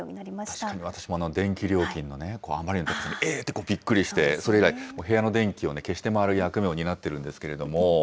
確かに、私も電気料金のあまりの高さに、えーってびっくりして、それ以来、部屋の電気を消して回る役目を担っているんですけれども。